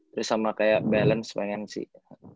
terus sama kayak balance pengen sih